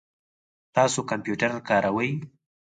تاسو کمپیوټر کاروئ؟